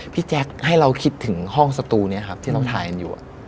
พี่แจ๊กให้เราคิดถึงห้องสตูเนี่ยครับที่เราถ่ายอยู่